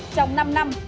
trong năm năm